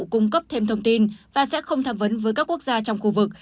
cung cấp thêm thông tin và sẽ không tham vấn với các quốc gia trong khu vực